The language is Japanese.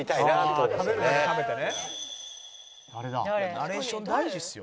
「ナレーション大事ですよあれ」